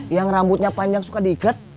yang rambutnya panjang suka diikat